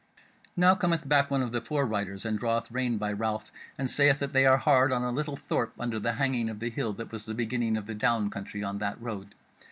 Now cometh back one of the fore riders and draweth rein by Ralph and saith that they are hard on a little thorp under the hanging of the hill that was the beginning of the Down country on that road.